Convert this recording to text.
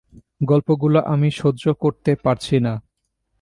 গল্পগুলো আমি সহ্য করতে পারছি না।